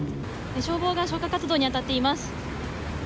消防が消火活動に当たっています。